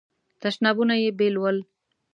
تشنابونه یې بیل ول.